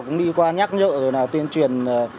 cũng đi qua nhắc nhở tuyên truyền